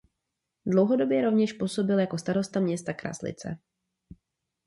Dlouhodobě rovněž působil jako starosta města Kraslice.